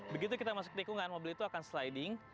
begitu kita masuk tikungan mobil itu akan sliding